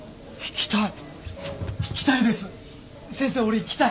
行きたい。